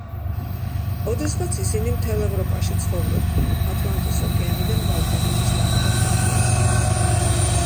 ოდესღაც ისინი მთელ ევროპაში ცხოვრობდნენ, ატლანტის ოკეანიდან ბალკანეთის ნახევარკუნძულამდე.